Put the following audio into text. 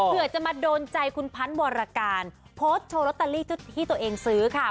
เพื่อจะมาโดนใจคุณพันธ์วรการโพสต์โชว์ลอตเตอรี่ที่ตัวเองซื้อค่ะ